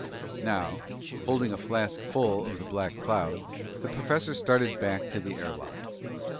Now, holding a flask full of the black cloud, the professor started back to the air lock.